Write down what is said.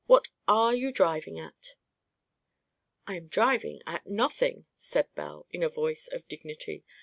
What are you driving at?" "I am driving at nothing," said Belle, in a voice of dignity.